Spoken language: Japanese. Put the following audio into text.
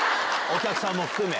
お客さんも含め。